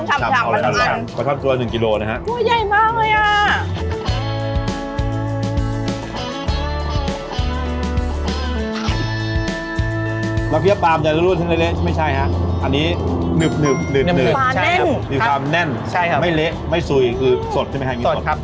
บีบ๊านแน่นไม่เลสุยคือสดใช่ไหมครับใช่ครับ